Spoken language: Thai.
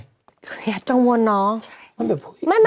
เหลียดตัววนเนาะ